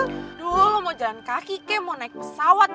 aduh lo mau jalan kaki kek mau naik pesawat